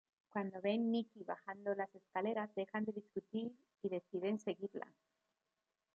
Cuando ven Nikki bajando las escaleras, dejan de discutir y deciden seguirla.